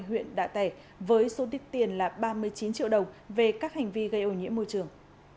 huyện đạ tẻ với số tiền là ba mươi chín triệu đồng về các hành vi gây ô nhiễm môi trường